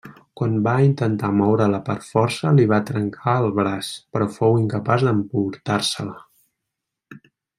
Quan va intentar moure-la per força, li va trencar el braç, però fou incapaç d'emportar-se-la.